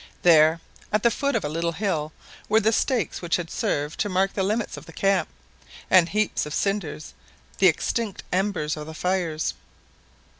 There at the foot of a little hill were the stakes which had served to mark the limits of the camp, and heaps of cinders, the extinct embers of the fires.